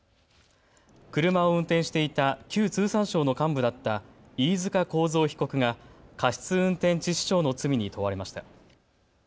車を運転していた旧通産省の幹部だった飯塚幸三被告が過失運転致死傷の罪に問われました。